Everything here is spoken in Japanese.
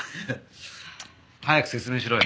早く説明しろよ。